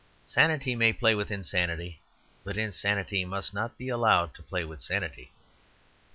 Sanity may play with insanity; but insanity must not be allowed to play with sanity.